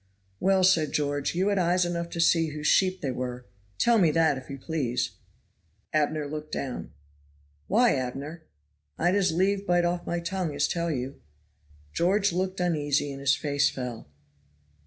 Well," said George, "you had eyes enough to see whose sheep they were. Tell me that, if you please?" Abner looked down. "Why, Abner?" "I'd as lieve bite off my tongue as tell you." George looked uneasy and his face fell.